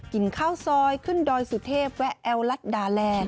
ข้าวซอยขึ้นดอยสุเทพแวะแอลรัฐดาแลนด